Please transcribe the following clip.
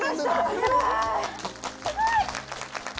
すごい！